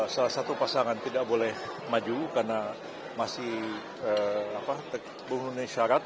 salah satu pasangan tidak boleh maju karena masih memenuhi syarat